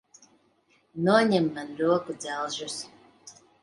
Noņem man rokudzelžus!